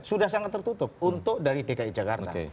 sudah sangat tertutup untuk dari dki jakarta